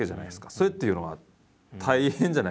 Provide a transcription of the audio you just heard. それっていうのは大変じゃないんですか？